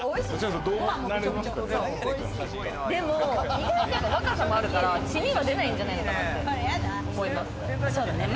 意外と若さもあるから、血には出ないんじゃないかなって思います。